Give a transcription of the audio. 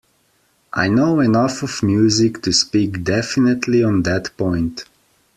I know enough of music to speak definitely on that point.